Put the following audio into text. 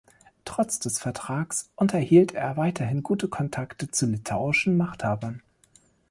Trotz des Vertrages unterhielt er weiterhin gute Kontakte zu litauischen Machthabern.